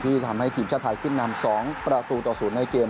ที่ทำให้ทีมชาติไทยขึ้นนำ๒ประตูต่อ๐ในเกม